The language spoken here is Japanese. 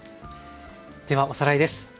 ではおさらいです。